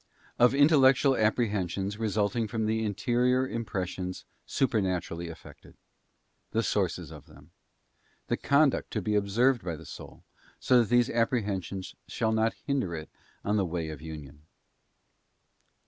Of Intellectual Apprehensions resulting from the Interior Impressions supernaturally effected. The sources of them. The conduct to be observed by the soul, so that these apprehensions shall not hinder it on the Way of Union.